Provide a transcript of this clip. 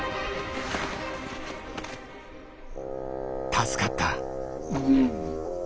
助かった。